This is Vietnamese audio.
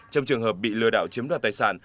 trong trường hợp bị lừa đảo chiếm đoạt tài sản